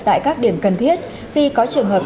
tại các điểm cần thiết vì có trường hợp